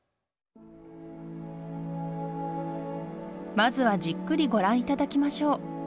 まずはじっくりご覧いただきましょう。